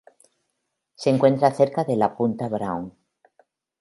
Se encuentra cerca de la punta Brown.